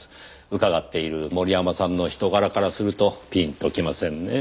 伺っている森山さんの人柄からするとピンときませんねぇ。